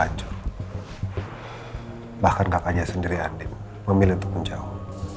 hancur bahkan kakaknya sendiri andi memilih untuk menjauh